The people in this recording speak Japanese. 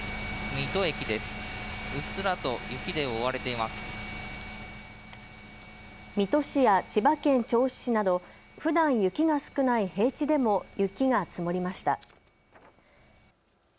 水戸市や千葉県銚子市などふだん雪が少ない平地でも雪が積もりました。